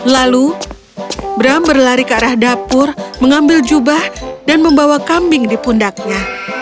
lalu bram berlari ke arah dapur mengambil jubah dan membawa kambing di pundaknya